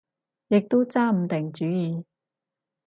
亦都揸唔定主意